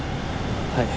はい。